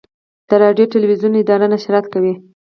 د راډیو تلویزیون اداره نشرات کوي